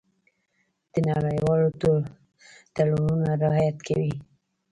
د نړیوالو تړونونو رعایت کوي.